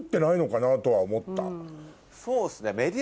そうっすね。